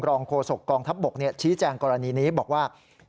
โฆษกองทัพบกชี้แจงกรณีนี้บอกว่า